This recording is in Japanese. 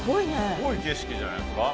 すごい景色じゃないですか。